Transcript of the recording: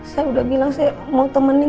saya udah bilang saya mau temenin